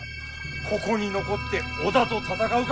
ここに残って織田と戦うか